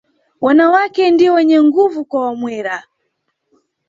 Wanawake ndio wenye nguvu kwa Wamwera